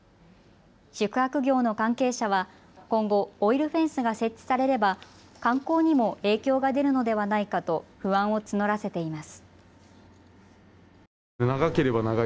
宿泊業の関係者は今後、オイルフェンスが設置されれば観光にも影響が出るのではないかと不安を募らせています。